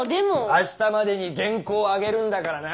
あしたまでに原稿を上げるんだからな。